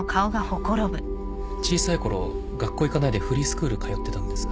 小さい頃学校行かないでフリースクール通ってたんです。